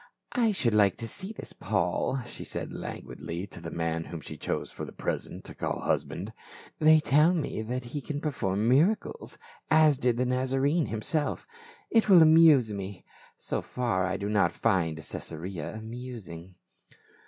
" I should like to see this Paul," she said languidly to the man whom she chose for the present to call husband. "They tell me that he can perform mira cles, as did the Nazarene himself It will amuse me ; so far I do not find Caesarea amusing."